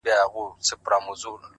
هره ثانیه د ژوند یوه برخه ده